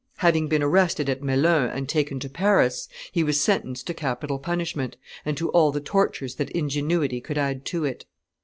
Having been arrested at Melun and taken to Paris, he was sentenced to capital punishment, and to all the tortures that ingenuity could add to it.